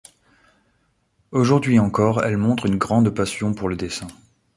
Aujourd'hui encore, elle montre une grande passion pour le dessin.